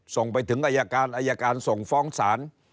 ส่งไปถึงอายการอายการส่งฟ้องศาล